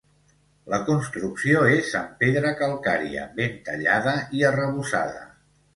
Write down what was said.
La construcció és amb pedra calcària ben tallada i arrebossada.